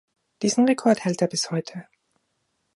Diesen Rekord hält er bis heute.